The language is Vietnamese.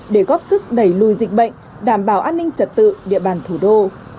để góp sức đẩy lùi dịch bệnh đảm bảo an ninh trật tự địa bàn thủ đô